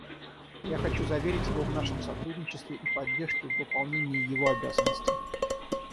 Я хочу заверить его в нашем сотрудничестве и поддержке в выполнении его обязанностей.